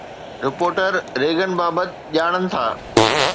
reporter Reagan بابت ڄاڻن ٿا